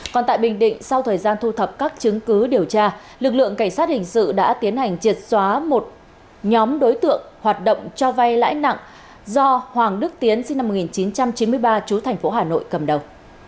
còn tại bình định sau thời gian thu thập các chứng cứ điều tra lực lượng cảnh sát hình sự đã tiến hành triệt xóa một nhóm đối tượng hoạt động cho vay lãi nặng do hoàng đức tiến sinh năm một nghìn chín trăm chín mươi ba chú thành phố hà nội cầm đầu